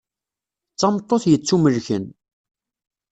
D tameṭṭut yettumelken.